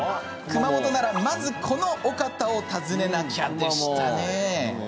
熊本なら、まずこのお方を訪ねなきゃでしたね。